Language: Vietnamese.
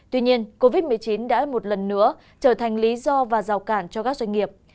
tuy nhiên covid một mươi chín đã một lần nữa trở thành lý do và rào cản cho các doanh nghiệp